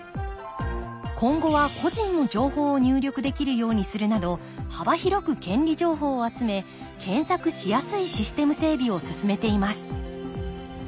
今後は個人の情報を入力できるようにするなど幅広く権利情報を集め検索しやすいシステム整備を進めています